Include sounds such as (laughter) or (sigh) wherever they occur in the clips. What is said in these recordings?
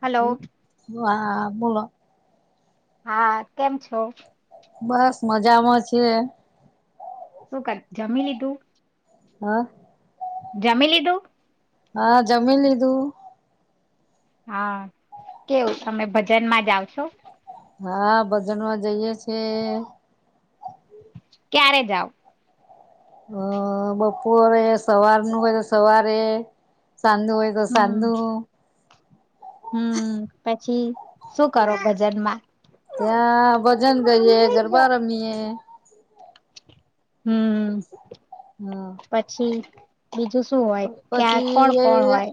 Hello હ બોલો હા કેમ છો બસ મજામાં છે શું જમી લીધું હા જમી લીધું હા જમીન લીધું હા કેવું તમે ભજન માં જ આવ છો હા ભજનમાં જઈે છે ક્યારે જાાવ હ બપોરે સવારનું હોય તો સવારે સાંદું હોય તો હમ સાંધું હમ પછી શું કરો ભજનમાં ત્યાં ભજન કરીએ ગરબા રમીએ હમ હા પછી બીજું શું હોય ક્યાં કોણ પછી એ કોણ હોય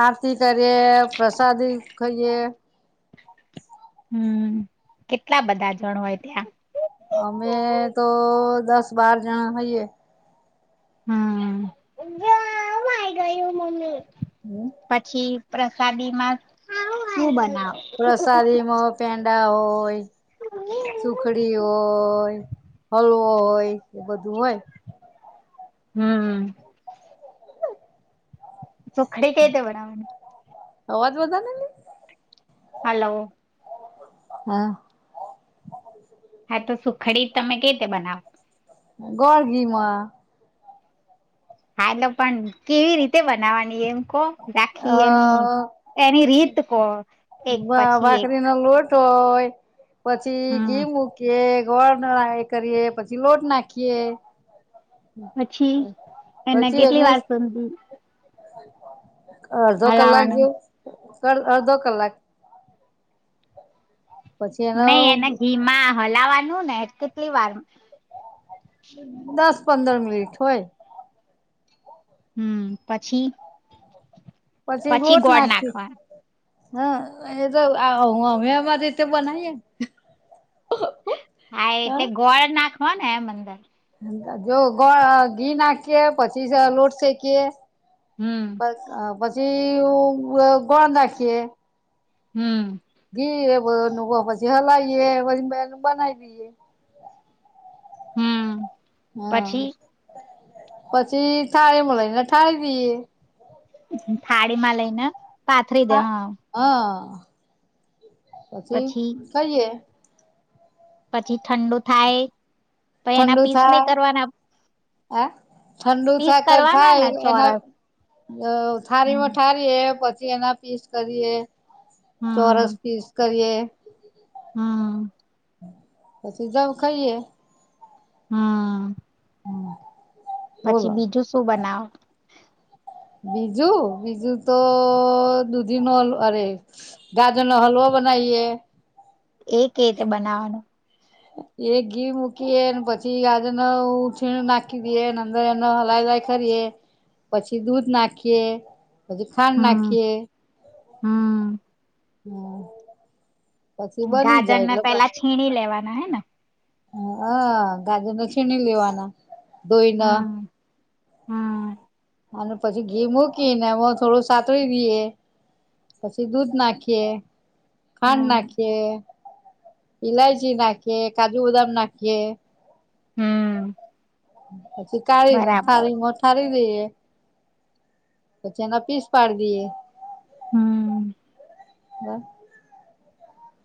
આરતી કરીએ પ્રસાદી ખાઈએ હમ કેટલા બધા જણ હોય ત્યાં અમે તો દસ બાર જણા થઈએ હા ગ ગ એું મને પછી પ્રસાદી માં શું બને પ્રસાદી મો પેંડ તા હોય સુખડી હોય હળવ હોય એ બધું હોય હમ સુખડી ક તે બનાવાની અવાજ બધા ને હલોો હા હા તો સુખડી તમે કેવી રીતે બનાવ ગોળગીમાં હા તો પણ કેવી રીતે બનાવાની એમ કો અ રાખી એની એની રીત કો એક પછી એક છ પછી હમ ઘી મૂકીએ ગોળ કરીએ પછી લોટ નાખીએ પછી એના કેટલી વાર સમધી પ અડધો કલાક જેવું અડધો કલાક પછી એનો નઈ એના ઘીમાં હલાવા ને કેટલી વાર દસ પંદર મિનિટ હોય હમ પછી પછી લોટ ગોળ નાખી નાખવા હા એ તો અ અમે માંરે રીતે બનાઈએ હા એટલે ગોળ નાખ ખોને એમ મંદર જો ગોળ ઘી નાખીએ પછી લોટ શેકીએ. હમ બસ બસ. જે ગોળ ના ખીએ હમ્. ઘી એ બધ પછી હલાવીએ પછી બનાવી દઈએ. હમ. પછી હા. પછી થાળી મળ લને થાળી દઈએ. થાળી માં લઈને પાથરી દે ખા હા હ. પછી ખઈએ. પછી ઠંડુ થાય તો એના પીસ નહી કરવાના હ. ઠંડુ પીસ થક કરવાના ને થાય એના ચોરસ થારીમાં હમ થઠારી એ પછી તેના પીસ કરીએ ચોરસ હમ પીસ કરીએ હ. હમ. પછી જવ ખાઈએ હા. પછી બોલો બીજું શું બનાવ બીજું બીજું તો દૂધી નો અરે ગાજર નો હલવો બનાવીએ. એ કે રીતે બનાવાનું એક ઘી મૂકીએ પછી ગાજર ન ઉછીણ નાખી દેએ અંદર એનો હલાઈ હલાઈ કરીએ પછી દૂધ નાખીએ. પછી ખાન્ડ હમ નાખીએ. હમ. હમ. પછી બની ગાજર જાય ને એટલે પેલા છીણી લેવાના હે ને હ ગાજર ન શણી લેવાના દોઈના હમ હમ. અને પછી ઘી મૂકીને થોડું સાતળી દઈએ પછી દૂધ નાખીએ. ખાંડ હમ નાખીએ. ઇલાયચી નાખીએ કાજુ બદામ નાખીએ. હમ્મ. (unintelligible) હછી કાળી થારી મથારી ઈએ પછી એના પીસ પાડી દઈએ. હમ્મ. હ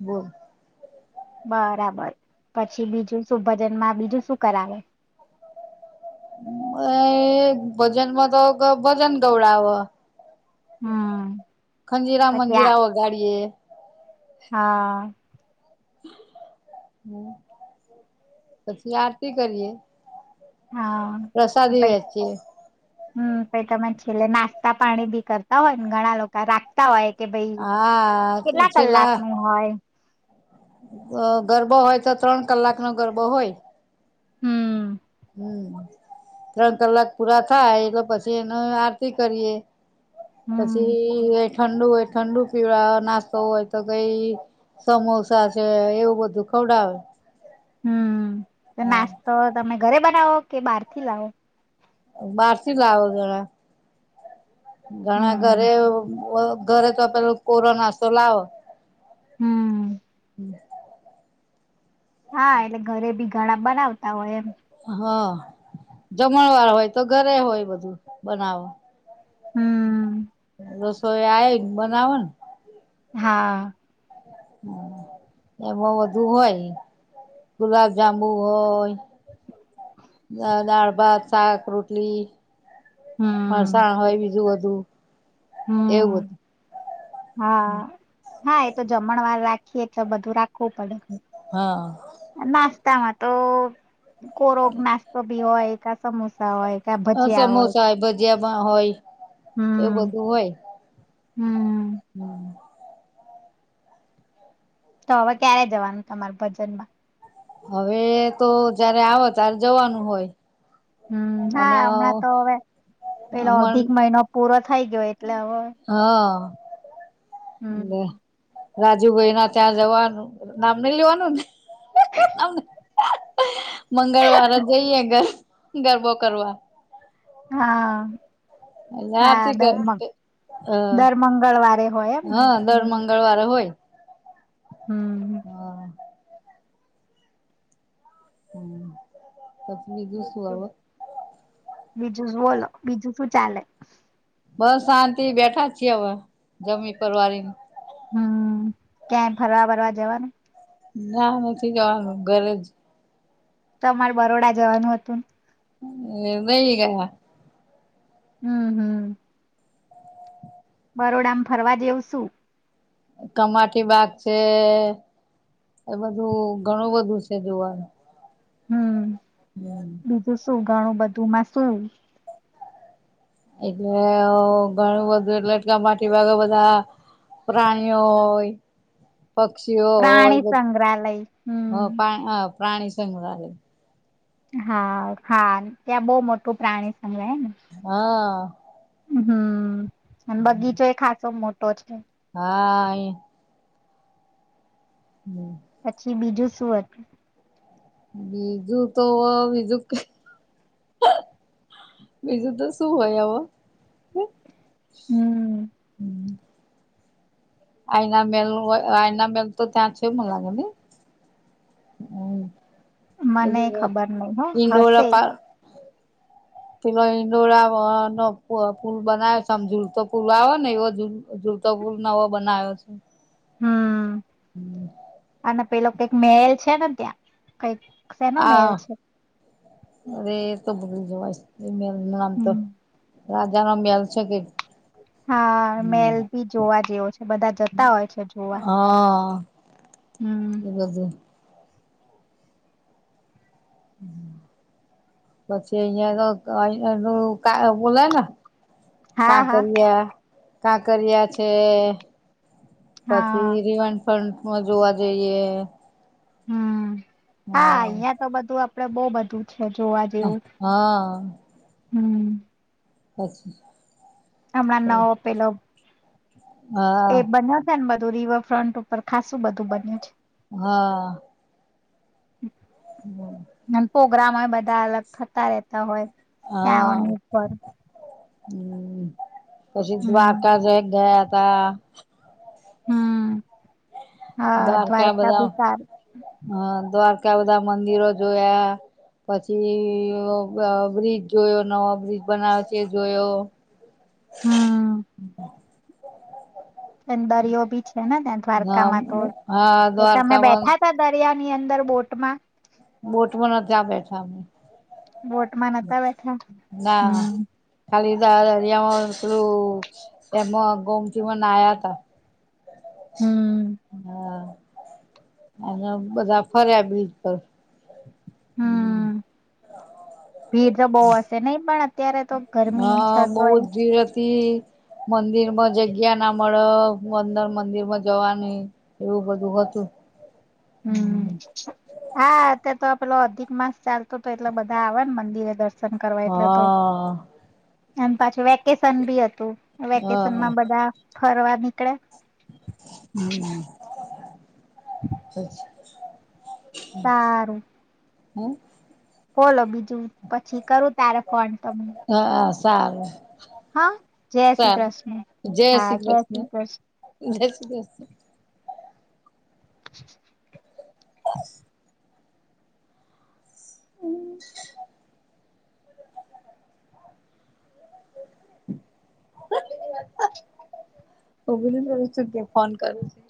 બોલ. બરાબર પછી બીજું શું ભજન માં બીજું શું કરાવે. એ ભજનમાં તો ભજન ગવડાવે. હમ ખંજીરા પછી આ મંદિરા વગાડીયે. હા. હ પછી આરતી કરીએ. હા પ્રસાદી વેચીએ હમ પ તને છેલ્લે નાસ્તા પાણી બી કરતા હોય ને ઘણા લોકો રાખતા હોય. કે ભાઈ હા કેટલા કલાક નું હોય. અ ગરબો હોય તો ત્રણ કલાક નો ગરબો હોય. હમ્મ. હમ ત્રણ કલાક પૂરા થાય એટલે પછી એને આરતી કરીએ. પછી હમ એ ઠંડુ હોય ઠંડુ પીળ નાસ્તો હોય તો કઈ સમોસા છે એવું બધું ખવડાવે. હમ્મ હા નાસ્તો તમે. ઘરે બનાવો કે બહાર થી લાવો. બહાર થી લાવો ઘણા. ઘણા ઘરે હમ ઘરે તો પેલો કોરોના તો લાવો. (inaudible) હમ હા એટલે ઘરે બી ઘણા બનાવતા હોય એમ. હ જમણ વાળ હોય તો ઘરે હોય બધું બનાવો. હમ (inaudible) સોયા આવ બનાવન હા. હ એમાં બધુ હોય ગુલાબ જાંબુ હોય દાળ ભાત શાક રોટલી. હમ ફરસાણ હોય બીજુ હમ્મ. એવું હતું. હમ હા હા એ તો જમણ વાર રાખીએ તો બધું રાખ ખપડ હા ના. તામાં તો કોરગ નાસ્તો બી હોય સમોસા. કા હ ભજીયા હોય સમોસા એ ભજ. (unintelligible) એ હમ બધું હોય. હમ તો હવે ક્યારે જવાનું તમાર ભજનમાં? હવે તો જયારે આવે ત્યારે જવાનું હોય. હમ્મ અને હા હમણાં તો હવે પેલો અધિક મન મહિનો પૂરો થ હા (unintelligible) હમ્મ. રાજુ ભાઈના ત્યાં જવાનું નામ નઈ લેવાનુંને મંગળવાર જ જઈએ ગરબો કરવા. હા. હા દર હ દર મંગળવારે હોય એમને હા દર હમ મંગળવારે હોય. હમ હા. (inaudible) (unintelligible) બીજું બોલો બીજું શું ચાલે? બસ શાંતિ બેઠા છીએ હવે જમી પર કરવાની. હમ્મ ક્યાંય ફરવા ભરવા જવાનું? ના નથી જવાનું ઘરે જ તમારે બરોડા જવાનું હતું. હ એઈ ગ હમ હમ બરોડામાં ફરવા જેવું શું. કમાટી બાગ છે એ બધું ઘણું બધું છે જોવાનું હમ. હમ. બીજું શું ઘણું બધું માં શું એટલે ઘણું બધું એટલે એટલા માટી ભાગે બધા પ્રાણીઓ હોય પક્ષીઓ હોય પ્રાણી બ સંગ્રહાલય હમ પ્રાણી સંઘરાલય હા હા ત્યાં બહુ મોટું પ્રાણી સંગ્રહ ને હા. હમ. અને બગીચો એ ખાચો મોટો મોટો છે. હા અહીંયા હમ. પછી બીજું શું હતું બીજું તો બીજું બીજું તો શું હોય આવ હમ. હમ આઈના મલનું આયના મલ તો ત છે મ લાગે ને હમ મને બધું ખબર નહ હા ઈંડોરા હશે પા પેલો ઈંડોરા નો પુલ બનાવ છે આમ જુલતો પુલ આવે ને એવો જુલતો પુલ નવો બનાવ્યો છે હમ. અને પેલા કઈક મેહેલ છે ને ત્યાં કઈક શેનો હા મહેલ છે અ બલી જવાય એ મેલ નું નામ તો હમ રાજા નો મેલ છે કે હા મેલ ભી જોવા જેવો છે બધા જતા હોય છે જોવા હા હમ. એ બધું પછી અહયા તો અ એ ક બોલાય ને ક હા હા કરી્યા કાંકરિયા છે હા પછી રીવાન ફન્ટમાં જોવા જઈએ હમ હા અહિયાં તો બધું આપડે બહુ બધું છે જોવા અ જેવું હા હમ અચછ હમણાં નવો પેલો એ હા બન્યો છે ને બધ રિવરફ્રન્ટ ઉપર ખાસું બધું બન્યું છે હા હમ અને પ્રોગ્રામ હોય બધા અલગ થતા રહેતા હોય હા ત્યાંનીર હમ પછી દ્વારકા જે ગયાત કત્તા હમ હા દ્વારકા બધા બી સારું હ દ્વારકા બધા મંદિરો જોયા પછી બ્રિજ જોયો નવો બ્રિજ બનાવે છે જોયો હ હમ દરિયો બી છે ને ત્યાં દ્વારકામાં હા તો તમે દ્વારકામાં બેઠા ત દરિયા ની અંદર બોટ માં બોટમાં નથી આ બેઠા અમે વોટમાં નતા બેઠા હમ દરિયામાંલું એમાં ગોમતી નાયા ત હમ હા અને બધા ફર્યા બીજ પર હમ ભીડ તો બહ હશે નહ પણ અત્યારે તો ગરમી હા છે તોય બહત ભીડ હતી મંદિર માં જગ્યા ના મળે મંદર મંદિર માં જવાની એવું બધું હતું હમ હા તે તો અધિક માસ ચાલ તો તો એટલા બધા આવે ને મંદિરે દર્શન કરવા એટલે તો હા એમ પાછી વેકેશન બી હતું વેકેશન હા માં બધા ફરવા નીકળે હમ (inaudible) સારું હમ બોલો બીજું પછી કરું તારે ફંડ તમને હા સારું હા જય શ્રી સારું કૃષ્ણ હા જય શ્રી કૃષ્ણ જય શ્રી કૃષ્ણ (inaudible) (inaudible) હમ હભી ત સુગ્યા ફોન કરો છ